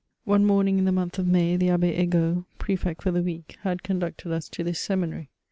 One morning in the month of May, the Abb^ Egaultf. Pre fect for the week, had conducted us to this seminary.